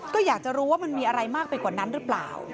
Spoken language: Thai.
ครับ